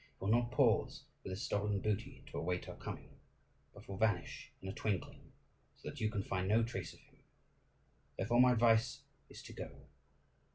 He will not pause with his stolen booty to await our coming, but will vanish in a twinkling, so that you can find no trace of him. Therefore my advice is to go.